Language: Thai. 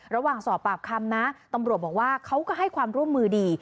ระหว่างสอบปากคำนะตำรวจบอกว่าเขาก็ให้ความร่วมมือดี